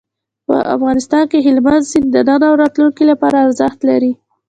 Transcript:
په افغانستان کې هلمند سیند د نن او راتلونکي لپاره ارزښت لري.